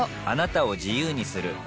あなたを自由にする